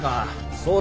そうだ。